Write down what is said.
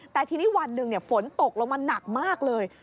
แต่ทีนี้วันหนึ่งฝนตกลงมาหนักมากเลย